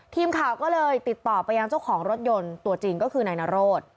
ทีมข่าวก็เลยติดต่อไปยังเจ้าของรถยนต์ตัวจริงก็คือนายนโรธ